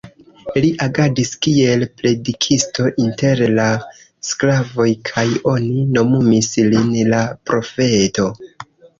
Li agadis kiel predikisto inter la sklavoj kaj oni nomumis lin "la profeto".